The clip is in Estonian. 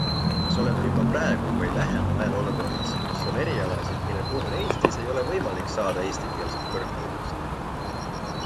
Kas oleme juba praegu või lähemal ajal olukorras, kus on erialasid, mille puhul Eestis ei ole võimalik saada eestikeelset kõrgharidust?